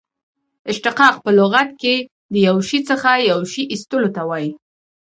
اشتقاق په لغت کښي له یوه شي څخه یو شي اخستلو ته وايي.